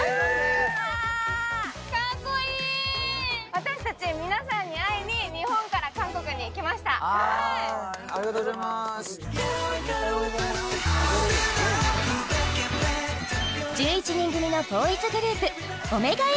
私たち皆さんに会いに日本から韓国に来ましたありがとうございます１１人組のボーイズグループ